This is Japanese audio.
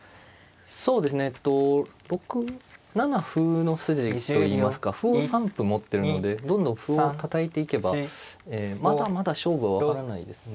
そうですね６七歩の筋といいますか歩を３歩持ってるのでどんどん歩をたたいていけばまだまだ勝負は分からないですね。